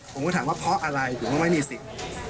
ผมก็ถามว่าเพราะอะไรผมก็ไม่มีสิทธิ์